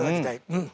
うん。